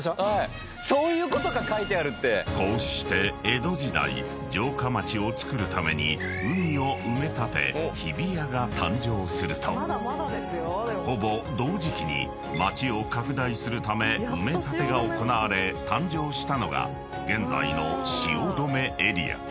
［こうして江戸時代城下町を造るために海を埋め立て日比谷が誕生するとほぼ同時期に街を拡大するため埋め立てが行われ誕生したのが現在の汐留エリア］